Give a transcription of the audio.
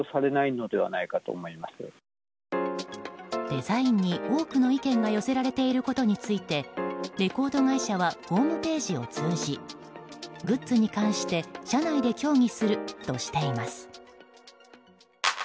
デザインに多くの意見が寄せられていることについてレコード会社はホームページを通じグッズに関して社内で協議するとしています。